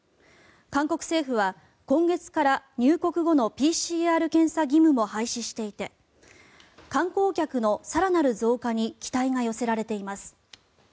韓国政府は今月から入国後のＰＣＲ検査義務も廃止していて観光客の更なる増加に期待が寄せられています。